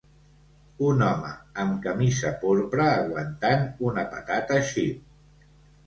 Un home amb camisa porpra aguantant una patata xip.